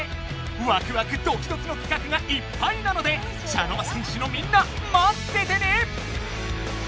ワクワクドキドキの企画がいっぱいなので茶の間戦士のみんなまっててね！